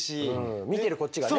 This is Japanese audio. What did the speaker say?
見てるこっちがね。